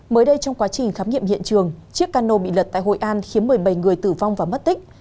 mới đây trong quá trình khám nghiệm hiện trường chiếc cano bị lật tại hội an khiến một mươi bảy người tử vong và mất tích